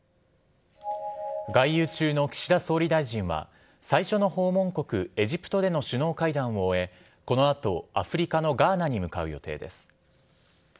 外遊中の岸田総理大臣は、最初の訪問国、エジプトでの首脳会談を終え、このあと、アフリカのガーナに向かう予定です。